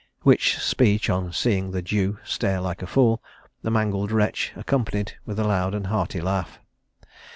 Which speech, on seeing the Jew stare like a fool, the mangled wretch accompanied with a loud and hearty laugh.